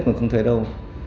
mà không thể đâu